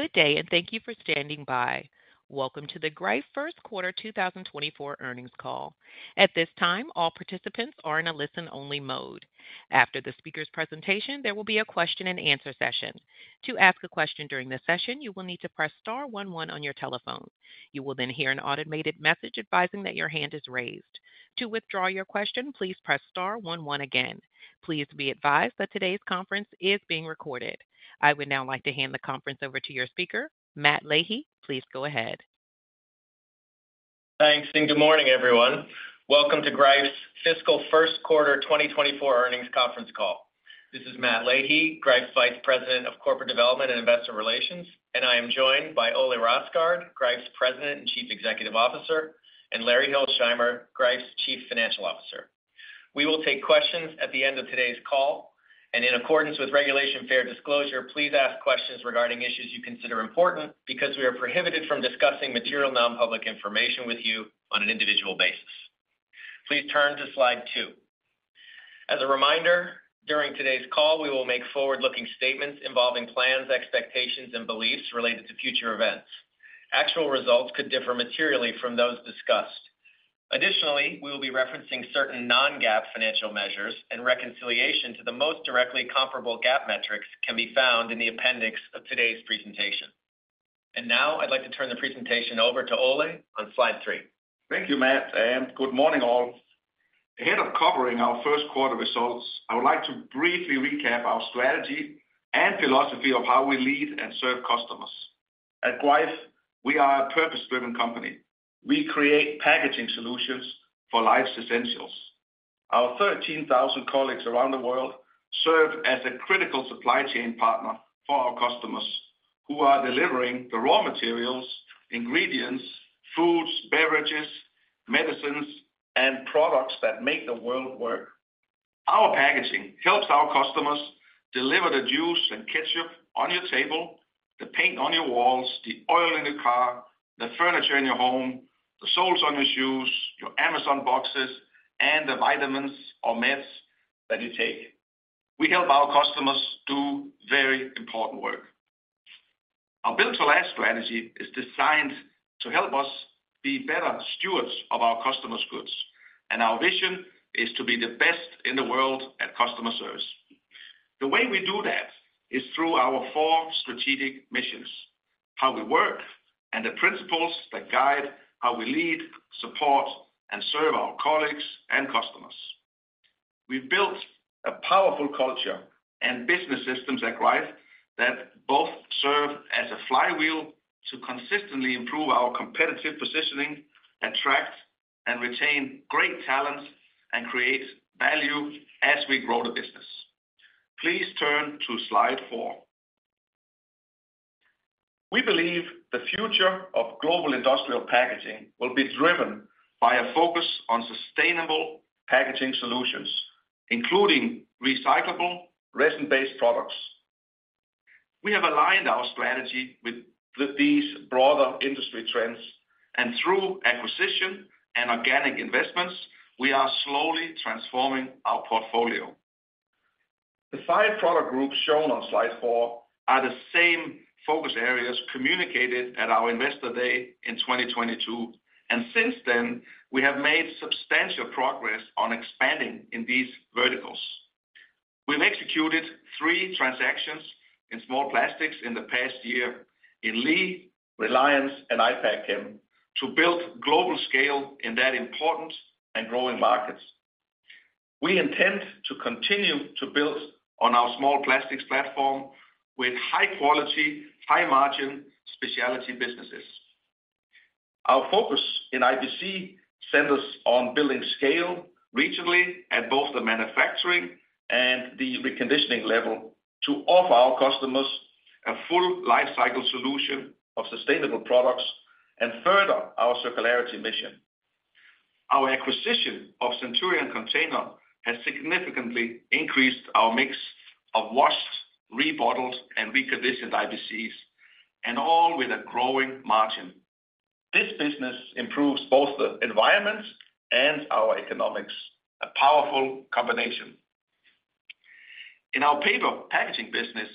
Good day and thank you for standing by. Welcome to the Greif First Quarter 2024 earnings call. At this time, all participants are in a listen-only mode. After the speaker's presentation, there will be a question-and-answer session. To ask a question during the session, you will need to press star one one on your telephone. You will then hear an automated message advising that your hand is raised. To withdraw your question, please press star one one again. Please be advised that today's conference is being recorded. I would now like to hand the conference over to your speaker, Matt Leahy. Please go ahead. Thanks, and good morning, everyone. Welcome to Greif's Fiscal First Quarter 2024 earnings conference call. This is Matt Leahy, Greif's Vice President of Corporate Development and Investor Relations, and I am joined by Ole Rosgaard, Greif's President and Chief Executive Officer, and Larry Hilsheimer, Greif's Chief Financial Officer. We will take questions at the end of today's call, and in accordance with Regulation Fair Disclosure, please ask questions regarding issues you consider important because we are prohibited from discussing material nonpublic information with you on an individual basis. Please turn to slide two. As a reminder, during today's call, we will make forward-looking statements involving plans, expectations, and beliefs related to future events. Actual results could differ materially from those discussed. Additionally, we will be referencing certain non-GAAP financial measures, and reconciliation to the most directly comparable GAAP metrics can be found in the appendix of today's presentation. Now I'd like to turn the presentation over to Ole on slide three. Thank you, Matt, and good morning, all. Ahead of covering our first quarter results, I would like to briefly recap our strategy and philosophy of how we lead and serve customers. At Greif, we are a purpose-driven company. We create packaging solutions for life's essentials. Our 13,000 colleagues around the world serve as a critical supply chain partner for our customers who are delivering the raw materials, ingredients, foods, beverages, medicines, and products that make the world work. Our packaging helps our customers deliver the juice and ketchup on your table, the paint on your walls, the oil in your car, the furniture in your home, the soles on your shoes, your Amazon boxes, and the vitamins or meds that you take. We help our customers do very important work. Our Built-to-Last strategy is designed to help us be better stewards of our customers' goods, and our vision is to be the best in the world at customer service. The way we do that is through our four strategic missions, how we work, and the principles that guide how we lead, support, and serve our colleagues and customers. We've built a powerful culture and business systems at Greif that both serve as a flywheel to consistently improve our competitive positioning, attract and retain great talent, and create value as we grow the business. Please turn to slide four. We believe the future of global industrial packaging will be driven by a focus on sustainable packaging solutions, including recyclable, resin-based products. We have aligned our strategy with these broader industry trends, and through acquisition and organic investments, we are slowly transforming our portfolio. The five product groups shown on slide four are the same focus areas communicated at our Investor Day in 2022, and since then, we have made substantial progress on expanding in these verticals. We've executed three transactions in small plastics in the past year in Lee, Reliance, and IPACKCHEM to build global scale in that important and growing market. We intend to continue to build on our small plastics platform with high-quality, high-margin specialty businesses. Our focus in IBC centers on building scale regionally at both the manufacturing and the reconditioning level to offer our customers a full lifecycle solution of sustainable products and further our circularity mission. Our acquisition of Centurion Container has significantly increased our mix of washed, re-bottled, and reconditioned IBCs, and all with a growing margin. This business improves both the environment and our economics, a powerful combination. In our paper packaging business,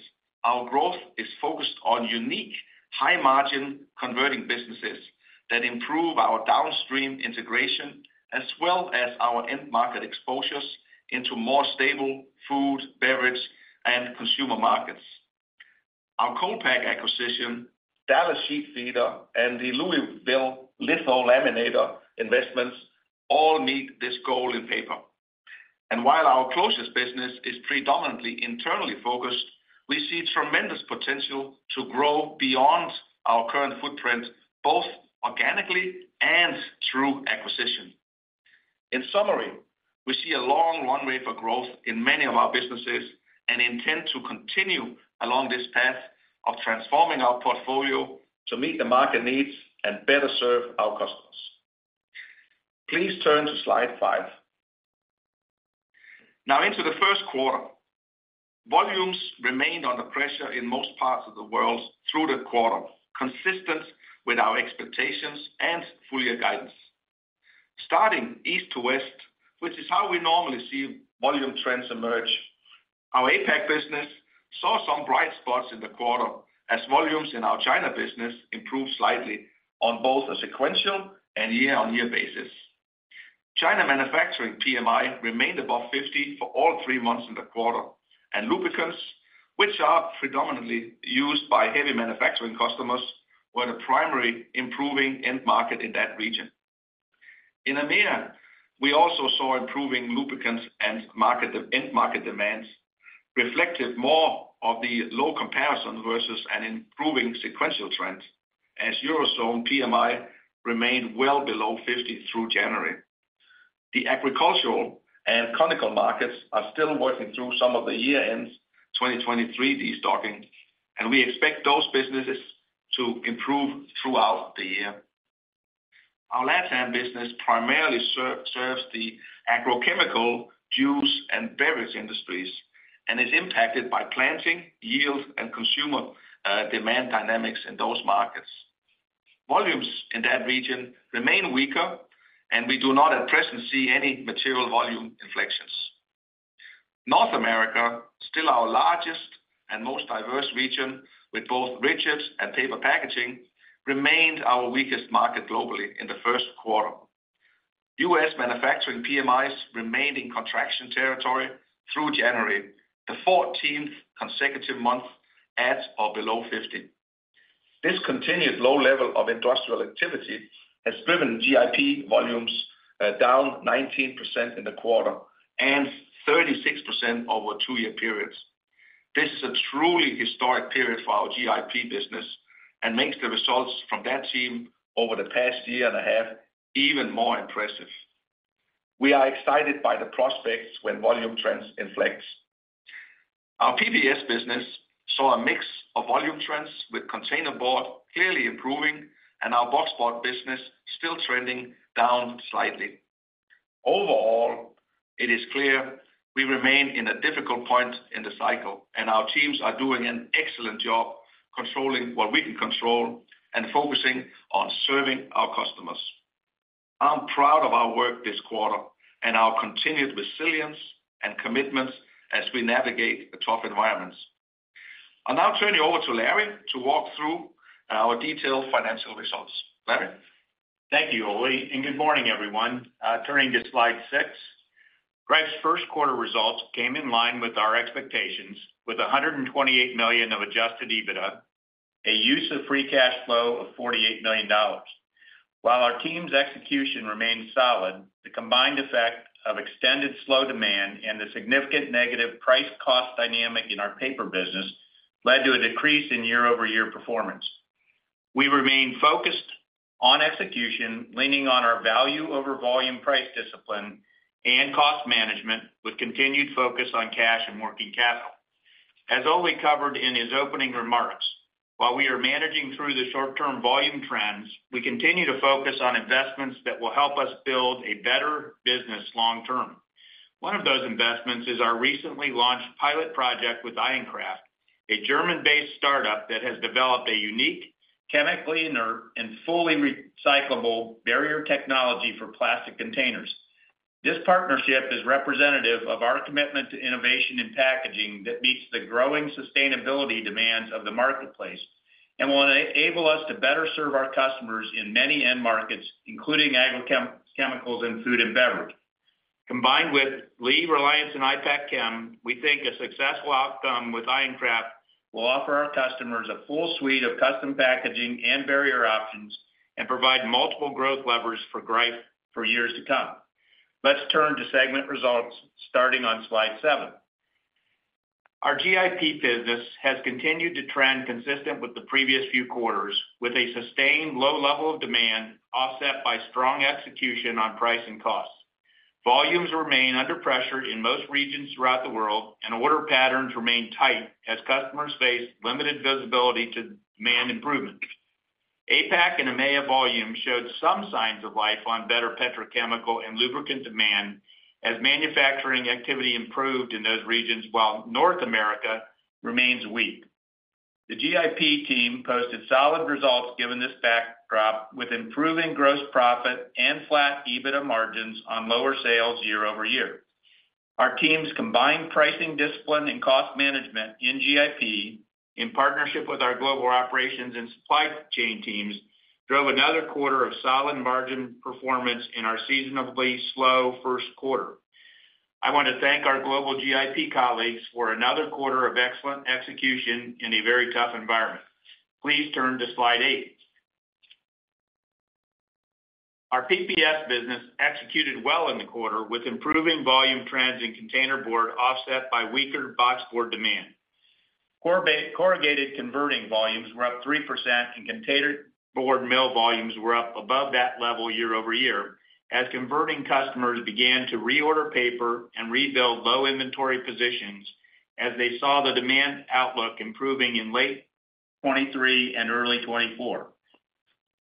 our growth is focused on unique, high-margin converting businesses that improve our downstream integration as well as our end-market exposures into more stable food, beverage, and consumer markets. Our colepak acquisition, Dallas Sheet Feeder, and the Louisville Litho Laminator investments all meet this goal in paper. And while our closest business is predominantly internally focused, we see tremendous potential to grow beyond our current footprint, both organically and through acquisition. In summary, we see a long runway for growth in many of our businesses and intend to continue along this path of transforming our portfolio to meet the market needs and better serve our customers. Please turn to slide five. Now, into the first quarter, volumes remained under pressure in most parts of the world through the quarter, consistent with our expectations and full-year guidance. Starting east to west, which is how we normally see volume trends emerge, our APAC business saw some bright spots in the quarter as volumes in our China business improved slightly on both a sequential and year-on-year basis. China manufacturing PMI remained above 50 for all three months in the quarter, and lubricants, which are predominantly used by heavy manufacturing customers, were the primary improving end-market in that region. In EMEA, we also saw improving lubricants and end-market demands, reflective more of the low comparison versus an improving sequential trend as Eurozone PMI remained well below 50 through January. The agricultural and chemical markets are still working through some of the year-end 2023 destocking, and we expect those businesses to improve throughout the year. Our LATAM business primarily serves the agrochemical, juice, and beverage industries and is impacted by planting, yield, and consumer demand dynamics in those markets. Volumes in that region remain weaker, and we do not at present see any material volume inflections. North America, still our largest and most diverse region with both rigid and paper packaging, remained our weakest market globally in the first quarter. U.S. manufacturing PMIs remained in contraction territory through January, the 14th consecutive month at or below 50. This continued low level of industrial activity has driven GIP volumes down 19% in the quarter and 36% over two-year periods. This is a truly historic period for our GIP business and makes the results from that team over the past year and a half even more impressive. We are excited by the prospects when volume trends inflect. Our PBS business saw a mix of volume trends with containerboard clearly improving and our boxboard business still trending down slightly. Overall, it is clear we remain in a difficult point in the cycle, and our teams are doing an excellent job controlling what we can control and focusing on serving our customers. I'm proud of our work this quarter and our continued resilience and commitments as we navigate the tough environments. I'll now turn you over to Larry to walk through our detailed financial results. Larry? Thank you, Ole, and good morning, everyone. Turning to slide six, Greif's first quarter results came in line with our expectations with $128 million of Adjusted EBITDA, a use of free cash flow of $48 million. While our team's execution remained solid, the combined effect of extended slow demand and the significant negative price-cost dynamic in our paper business led to a decrease in year-over-year performance. We remain focused on execution, leaning on our value over volume price discipline and cost management with continued focus on cash and working capital. As Ole covered in his opening remarks, while we are managing through the short-term volume trends, we continue to focus on investments that will help us build a better business long term. One of those investments is our recently launched pilot project with IonKraft, a German-based startup that has developed a unique, chemically inert, and fully recyclable barrier technology for plastic containers. This partnership is representative of our commitment to innovation in packaging that meets the growing sustainability demands of the marketplace and will enable us to better serve our customers in many end markets, including agrochemicals and food and beverage. Combined with Lee, Reliance, and IPACKCHEM, we think a successful outcome with IonKraft will offer our customers a full suite of custom packaging and barrier options and provide multiple growth levers for Greif for years to come. Let's turn to segment results starting on slide seven. Our GIP business has continued to trend consistent with the previous few quarters, with a sustained low level of demand offset by strong execution on price and costs. Volumes remain under pressure in most regions throughout the world, and order patterns remain tight as customers face limited visibility to demand improvement. IPACK and EMEA volume showed some signs of life on better petrochemical and lubricant demand as manufacturing activity improved in those regions while North America remains weak. The GIP team posted solid results given this backdrop, with improving gross profit and flat EBITDA margins on lower sales year-over-year. Our team's combined pricing discipline and cost management in GIP, in partnership with our global operations and supply chain teams, drove another quarter of solid margin performance in our seasonally slow first quarter. I want to thank our global GIP colleagues for another quarter of excellent execution in a very tough environment. Please turn to Slide eight. Our PBS business executed well in the quarter, with improving volume trends in containerboard offset by weaker boxboard demand. Corrugated converting volumes were up 3%, and containerboard mill volumes were up above that level year over year as converting customers began to reorder paper and rebuild low inventory positions as they saw the demand outlook improving in late 2023 and early 2024.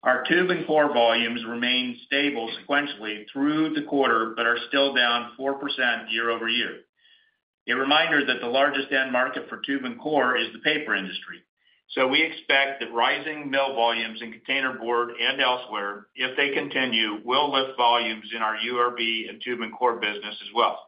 Our Tube and Core volumes remain stable sequentially through the quarter but are still down 4% year over year. A reminder that the largest end market for Tube and Core is the paper industry, so we expect that rising mill volumes in containerboard and elsewhere, if they continue, will lift volumes in our URB and Tube and Core business as well.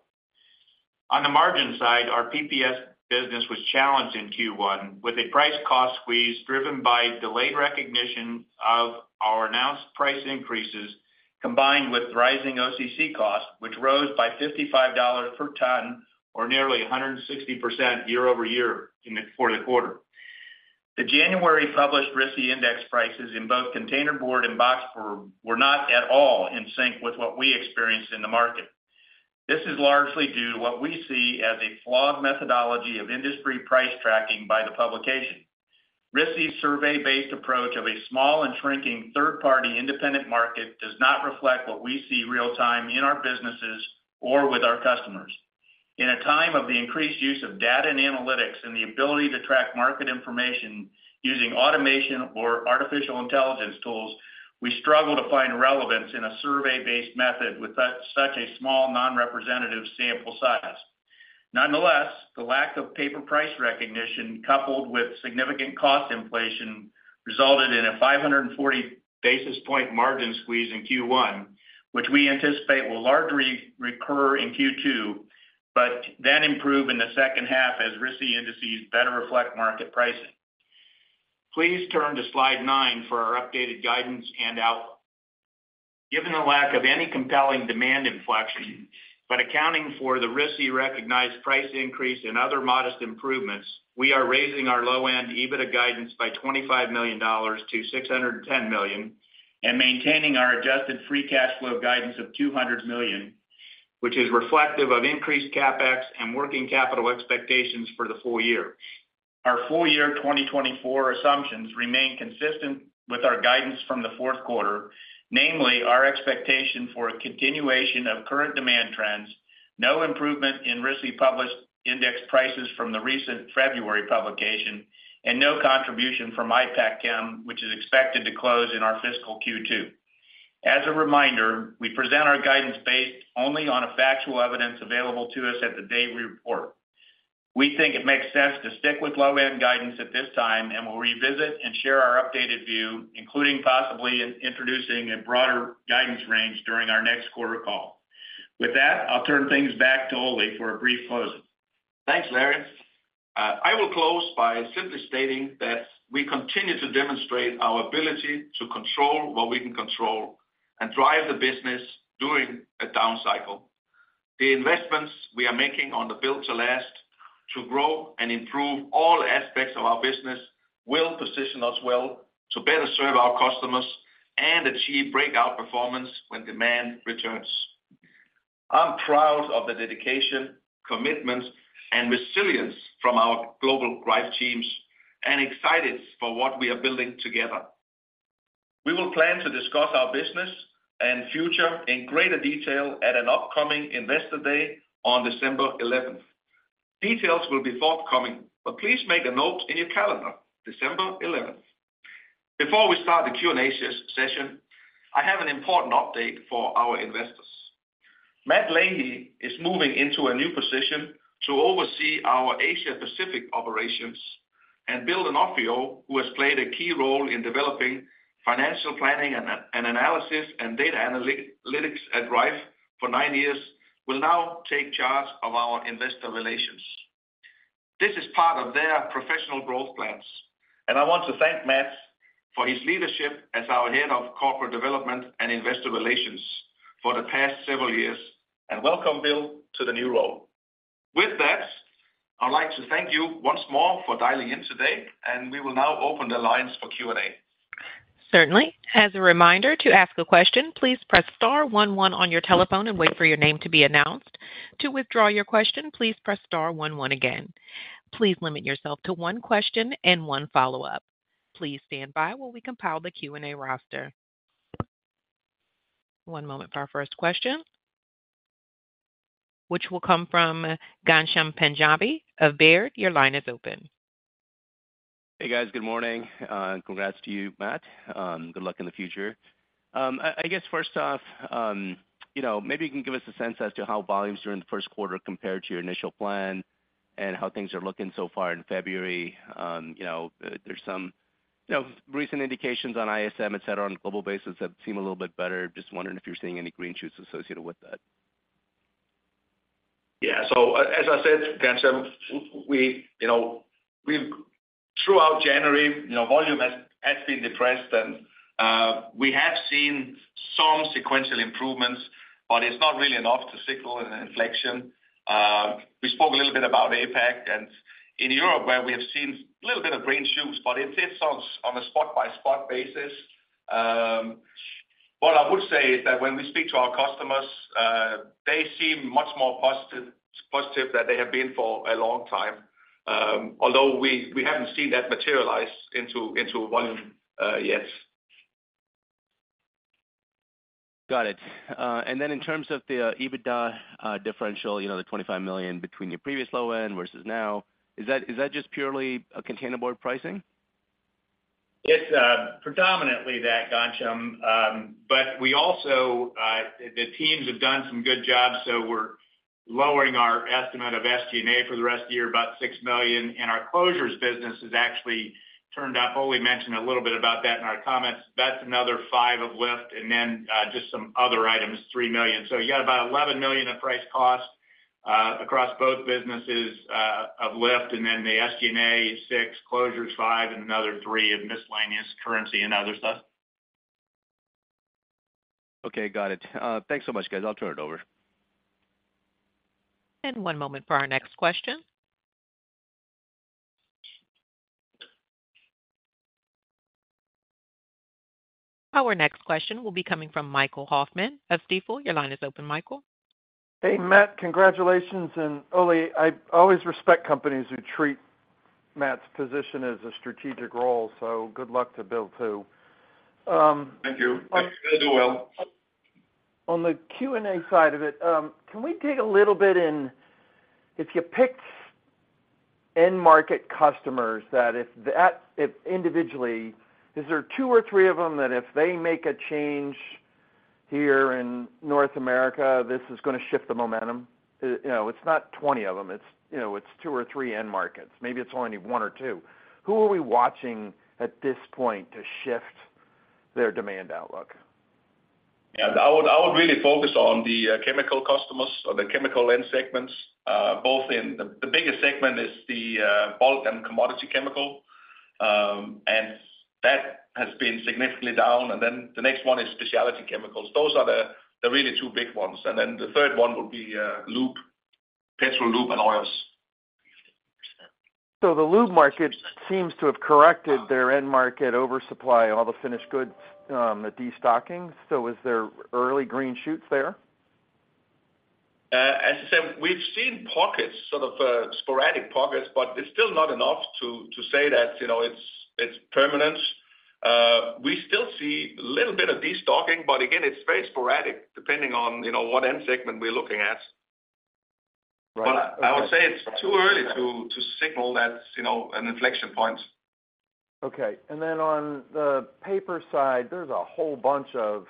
On the margin side, our PBS business was challenged in Q1 with a price-cost squeeze driven by delayed recognition of our announced price increases combined with rising OCC costs, which rose by $55 per ton or nearly 160% year over year for the quarter. The January published RISI index prices in both containerboard and boxboard were not at all in sync with what we experienced in the market. This is largely due to what we see as a flawed methodology of industry price tracking by the publication. RISI's survey-based approach of a small and shrinking third-party independent market does not reflect what we see real-time in our businesses or with our customers. In a time of the increased use of data and analytics and the ability to track market information using automation or artificial intelligence tools, we struggle to find relevance in a survey-based method with such a small non-representative sample size. Nonetheless, the lack of paper price recognition coupled with significant cost inflation resulted in a 540 basis point margin squeeze in Q1, which we anticipate will largely recur in Q2 but then improve in the second half as RISI indices better reflect market pricing. Please turn to slide nine for our updated guidance and outlook. Given the lack of any compelling demand inflection but accounting for the RISI recognized price increase and other modest improvements, we are raising our low-end EBITDA guidance by $25 million to $610 million and maintaining our adjusted free cash flow guidance of $200 million, which is reflective of increased CapEx and working capital expectations for the full year. Our full year 2024 assumptions remain consistent with our guidance from the fourth quarter, namely our expectation for a continuation of current demand trends, no improvement in RISI published index prices from the recent February publication, and no contribution from IPACKCHEM, which is expected to close in our fiscal Q2. As a reminder, we present our guidance based only on factual evidence available to us at the date of report. We think it makes sense to stick with low-end guidance at this time and will revisit and share our updated view, including possibly introducing a broader guidance range during our next quarter call. With that, I'll turn things back to Ole for a brief closing. Thanks, Larry. I will close by simply stating that we continue to demonstrate our ability to control what we can control and drive the business during a down cycle. The investments we are making on the Built to Last to grow and improve all aspects of our business will position us well to better serve our customers and achieve breakout performance when demand returns. I'm proud of the dedication, commitment, and resilience from our global Greif teams and excited for what we are building together. We will plan to discuss our business and future in greater detail at an upcoming investor day on December 11th. Details will be forthcoming, but please make a note in your calendar, December 11th. Before we start the Q&A session, I have an important update for our investors. Matt Leahy is moving into a new position to oversee our Asia-Pacific operations and Bill D'Onofrio, who has played a key role in developing financial planning and analysis and data analytics at Greif for nine years, will now take charge of our investor relations. This is part of their professional growth plans, and I want to thank Matt for his leadership as our head of corporate development and investor relations for the past several years and welcome Bill to the new role. With that, I'd like to thank you once more for dialing in today, and we will now open the lines for Q&A. Certainly. As a reminder, to ask a question, please press star one one on your telephone and wait for your name to be announced. To withdraw your question, please press star one one again. Please limit yourself to one question and one follow-up. Please stand by while we compile the Q&A roster. One moment for our first question, which will come from Ghansham Panjabi of Baird. Your line is open. Hey guys, good morning. Congrats to you, Matt. Good luck in the future. I guess first off, maybe you can give us a sense as to how volumes during the first quarter compared to your initial plan and how things are looking so far in February. There's some recent indications on ISM, etc., on a global basis that seem a little bit better. Just wondering if you're seeing any green shoots associated with that? Yeah. So as I said, Ghansham, throughout January, volume has been depressed, and we have seen some sequential improvements, but it's not really enough to signal an inflection. We spoke a little bit about IPACK and in Europe where we have seen a little bit of green shoots, but it's on a spot-by-spot basis. What I would say is that when we speak to our customers, they seem much more positive than they have been for a long time, although we haven't seen that materialize into volume yet. Got it. And then in terms of the EBITDA differential, the $25 million between your previous low end versus now, is that just purely containerboard pricing? It's predominantly that, Ghansham. But the teams have done some good jobs, so we're lowering our estimate of SG&A for the rest of the year, about $6 million, and our closures business has actually turned up. Ole mentioned a little bit about that in our comments. That's another $5 million of lift, and then just some other items, $3 million. So you got about $11 million of price cost across both businesses of lift, and then the SG&A is $6 million, closures $5 million, and another $3 million of miscellaneous currency and other stuff. Okay, got it. Thanks so much, guys. I'll turn it over. One moment for our next question. Our next question will be coming from Michael Hoffman of Stifel. Your line is open, Michael. Hey Matt, congratulations. Ole, I always respect companies who treat Matt's position as a strategic role, so good luck to Bill too. Thank you. I hope you guys do well. On the Q&A side of it, can we dig a little bit in if you picked end market customers that if individually, is there two or three of them that if they make a change here in North America, this is going to shift the momentum? It's not 20 of them. It's two or three end markets. Maybe it's only one or two. Who are we watching at this point to shift their demand outlook? Yeah. I would really focus on the chemical customers or the chemical end segments. The biggest segment is the bulk and commodity chemical, and that has been significantly down. Then the next one is specialty chemicals. Those are the really two big ones. Then the third one would be petrol, lube, and oils. So the lube market seems to have corrected their end market oversupply, all the finished goods destocking. So was there early green shoots there? As I said, we've seen pockets, sort of sporadic pockets, but it's still not enough to say that it's permanent. We still see a little bit of destocking, but again, it's very sporadic depending on what end segment we're looking at. But I would say it's too early to signal that's an inflection point. Okay. And then on the paper side, there's a whole bunch of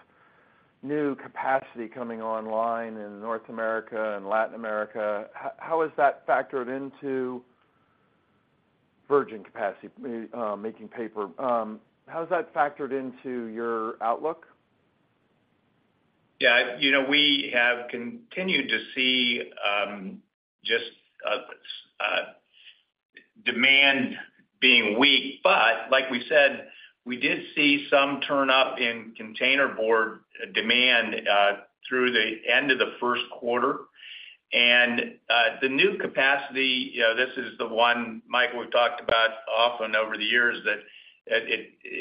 new capacity coming online in North America and Latin America. How has that factored into virgin capacity making paper? How has that factored into your outlook? Yeah. We have continued to see just demand being weak, but like we said, we did see some turn up in containerboard demand through the end of the first quarter. And the new capacity, this is the one, Michael, we've talked about often over the years that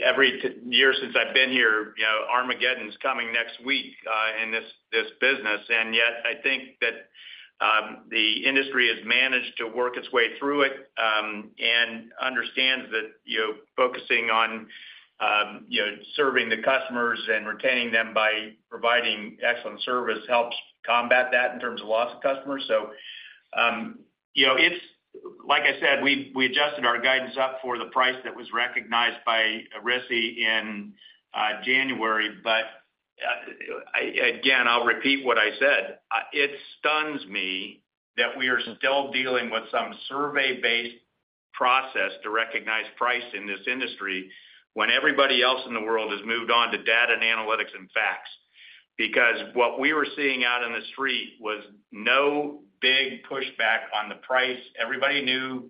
every year since I've been here, Armageddon's coming next week in this business. And yet I think that the industry has managed to work its way through it and understands that focusing on serving the customers and retaining them by providing excellent service helps combat that in terms of loss of customers. So like I said, we adjusted our guidance up for the price that was recognized by RISI in January. But again, I'll repeat what I said. It stuns me that we are still dealing with some survey-based process to recognize price in this industry when everybody else in the world has moved on to data and analytics and facts. Because what we were seeing out in the street was no big pushback on the price. Everybody knew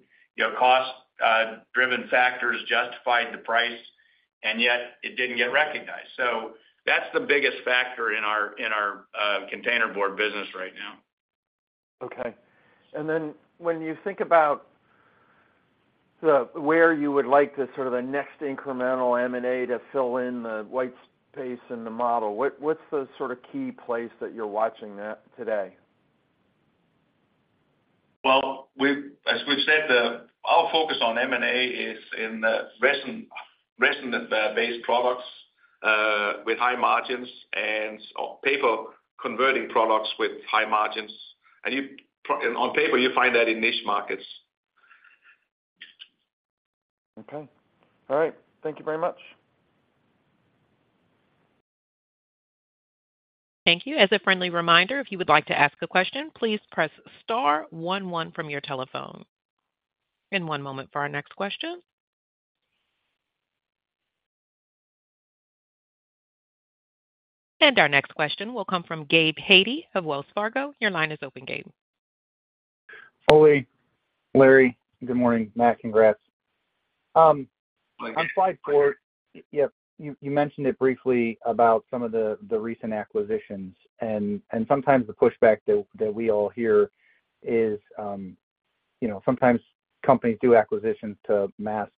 cost-driven factors justified the price, and yet it didn't get recognized. So that's the biggest factor in our containerboard business right now. Okay. And then when you think about where you would like the sort of the next incremental M&A to fill in the white space in the model, what's the sort of key place that you're watching that today? Well, as we've said, our focus on M&A is in resin-based products with high margins and paper-converting products with high margins. On paper, you find that in niche markets. Okay. All right. Thank you very much. Thank you. As a friendly reminder, if you would like to ask a question, please press star 11 from your telephone. One moment for our next question. Our next question will come from Gabe Hajde of Wells Fargo. Your line is open, Gabe. Ole, Larry, good morning. Matt, congrats. On slide four, yep, you mentioned it briefly about some of the recent acquisitions. Sometimes the pushback that we all hear is sometimes companies do acquisitions to mask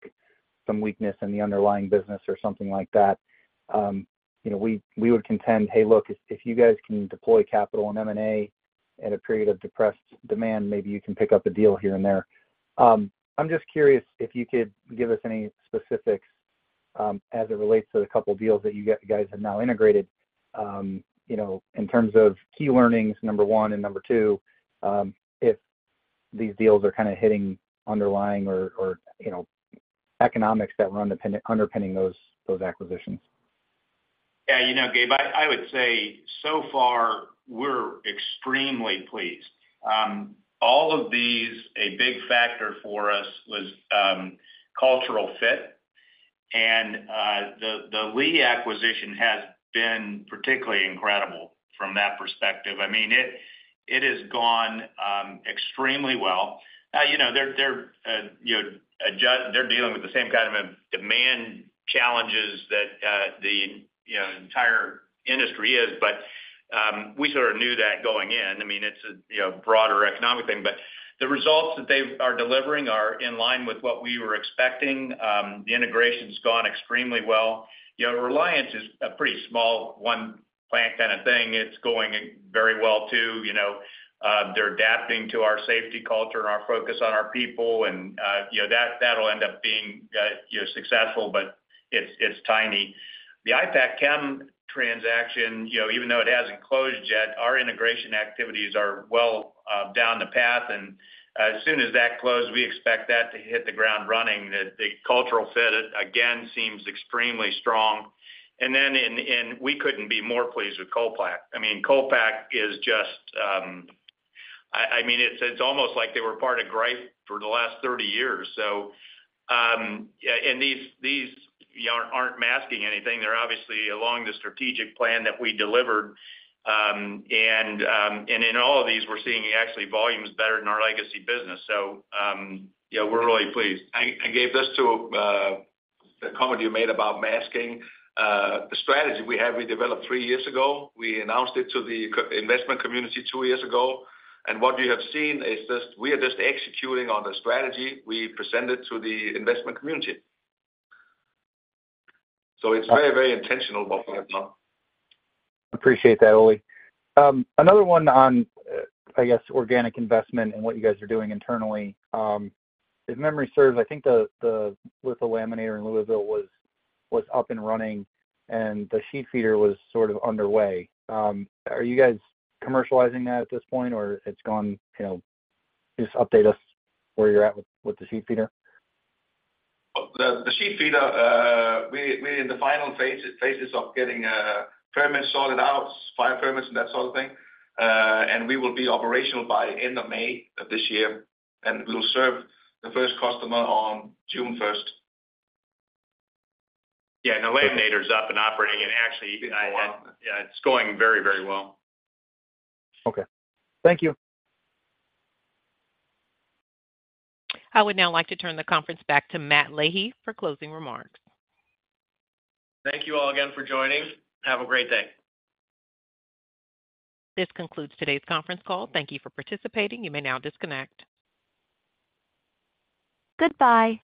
some weakness in the underlying business or something like that. We would contend, "Hey, look, if you guys can deploy capital in M&A in a period of depressed demand, maybe you can pick up a deal here and there." I'm just curious if you could give us any specifics as it relates to the couple of deals that you guys have now integrated in terms of key learnings, number one, and number two, if these deals are kind of hitting underlying or economics that were underpinning those acquisitions. Yeah, Gabe, I would say so far, we're extremely pleased. All of these, a big factor for us was cultural fit. The Lee acquisition has been particularly incredible from that perspective. I mean, it has gone extremely well. Now, they're dealing with the same kind of demand challenges that the entire industry is, but we sort of knew that going in. I mean, it's a broader economic thing, but the results that they are delivering are in line with what we were expecting. The integration's gone extremely well. Reliance is a pretty small one-plant kind of thing. It's going very well too. They're adapting to our safety culture and our focus on our people, and that'll end up being successful, but it's tiny. The IPACKCHEM transaction, even though it hasn't closed yet, our integration activities are well down the path. And as soon as that closes, we expect that to hit the ground running. The cultural fit, again, seems extremely strong. And then we couldn't be more pleased with ColePak. I mean, ColePak is just I mean, it's almost like they were part of Greif for the last 30 years. And these aren't masking anything. They're obviously along the strategic plan that we delivered. And in all of these, we're seeing actually volumes better than our legacy business. So we're really pleased. I gave this to the comment you made about masking. The strategy we have, we developed three years ago. We announced it to the investment community two years ago. What we have seen is just we are just executing on the strategy. We present it to the investment community. It's very, very intentional what we have done. Appreciate that, Ole. Another one on, I guess, organic investment and what you guys are doing internally. If memory serves, I think the litho laminator in Louisville was up and running, and the sheet feeder was sort of underway. Are you guys commercializing that at this point, or it's gone just update us where you're at with the sheet feeder? The sheet feeder, we're in the final phases of getting permits sorted out, fire permits, and that sort of thing. We will be operational by the end of May of this year. We will serve the first customer on June 1st. Yeah. The laminator's up and operating, and actually, yeah, it's going very, very well. Okay. Thank you. I would now like to turn the conference back to Matt Leahy for closing remarks. Thank you all again for joining. Have a great day. This concludes today's conference call. Thank you for participating. You may now disconnect. Goodbye.